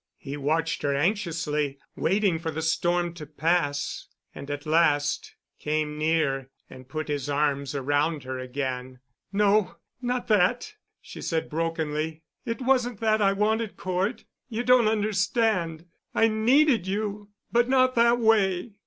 He watched her anxiously, waiting for the storm to pass, and at last came near and put his arms around her again. "No—not that!" she said brokenly. "It wasn't that I wanted, Cort. You don't understand. I needed you—but not that way."